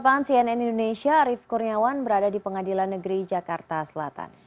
produsen cnn indonesia arief kurniawan berada di pengadilan negeri jakarta selatan